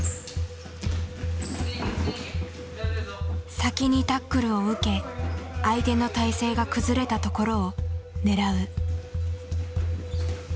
先にタックルを受け相手の体勢が崩れたところを狙う。